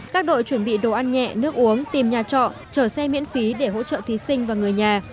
các đội chuẩn bị đồ ăn nhẹ nước uống tìm nhà trọ chở xe miễn phí để hỗ trợ thí sinh và người nhà